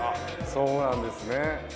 そうなんですね。